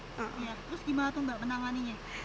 terus gimana tuh mbak menanganinya